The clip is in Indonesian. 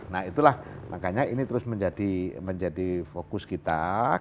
nah itulah makanya ini terus menjadi fokus kita